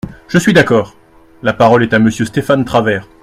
Je suis d’accord ! La parole est à Monsieur Stéphane Travert.